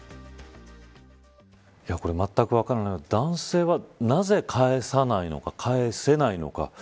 これまったく分からないのは男性は、なぜ返さないのか返せないのか。